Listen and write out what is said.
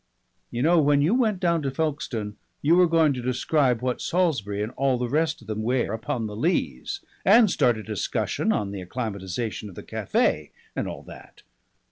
You know when you went down to Folkestone you were going to describe what Salisbury and all the rest of them wear upon the Leas. And start a discussion on the acclimatisation of the café. And all that.